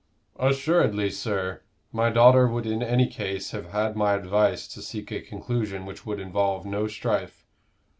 "Assuredly, sir. My daughter would in any case have had my advice to seek a conclusion which would involve no strife.